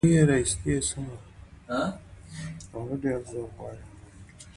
زما یقین دی چي دا ټوله حقیقت دی